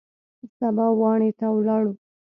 سبا واڼې ته ولاړو.